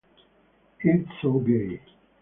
It's so gay.